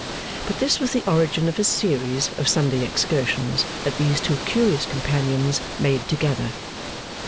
But this was the origin of a series of Sunday excursions that these two curious companions made together.